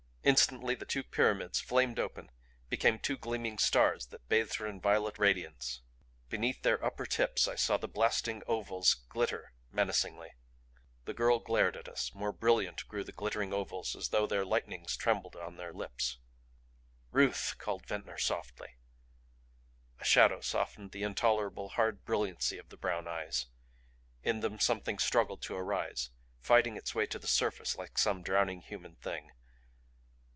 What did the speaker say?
Instantly the two pyramids flamed open, became two gleaming stars that bathed her in violet radiance. Beneath their upper tips I saw the blasting ovals glitter menacingly. The girl glared at us more brilliant grew the glittering ovals as though their lightnings trembled on their lips. "Ruth!" called Ventnor softly. A shadow softened the intolerable, hard brilliancy of the brown eyes. In them something struggled to arise, fighting its way to the surface like some drowning human thing.